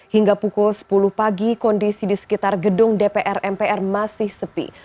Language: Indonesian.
hingga pukul sepuluh pagi kondisi di sekitar gedung dpr mpr masih sepi